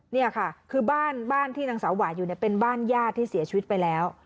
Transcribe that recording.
เนี่ยค่ะคือบ้านที่นางสาวาอยู่เป็นบ้านญาติที่เสียชีวิตไปแล้ว